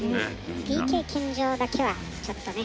ＰＫ献上だけはちょっとね。